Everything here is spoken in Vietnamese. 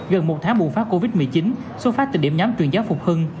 gần một tháng bùng phát covid một mươi chín số phát từ điểm nhóm truyền giáo phục hưng